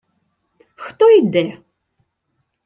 — Хто йде?!